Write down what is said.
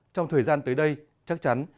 trong thời gian tới đây chắc chắn